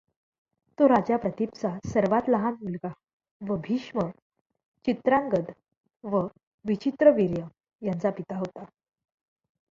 तो राजा प्रतीपचा सर्वात लहान मुलगा व भीष्म, चित्रांगद व विचित्रवीर्य यांचा पिता होता.